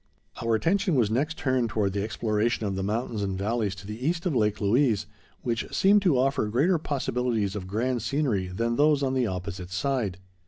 Our attention was next turned toward the exploration of the mountains and valleys to the east of Lake Louise, which seemed to offer greater possibilities of grand scenery than those on the opposite side.